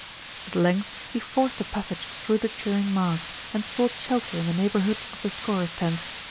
At length he forced a passage through the cheering mass, and sought shelter in the neighbourhood of the scorers' tent.